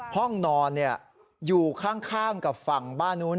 ห้องนอนอยู่ข้างกับฝั่งบ้านนู้น